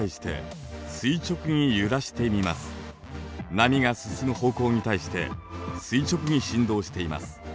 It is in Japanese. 波が進む方向に対して垂直に振動しています。